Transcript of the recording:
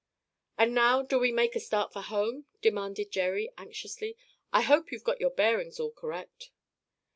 "And now, do we make a start for home?" demanded Jerry anxiously. "I hope you've got your bearings all correct."